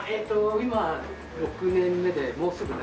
今６年目でもうすぐ７年。